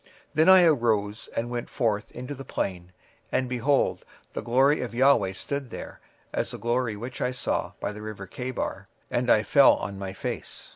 26:003:023 Then I arose, and went forth into the plain: and, behold, the glory of the LORD stood there, as the glory which I saw by the river of Chebar: and I fell on my face.